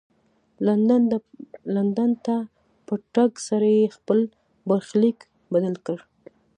لندن ته په تګ سره یې خپل برخلیک بدل کړ.